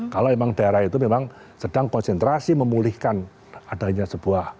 kalau memang daerah itu memang sedang konsentrasi memulihkan adanya sebuah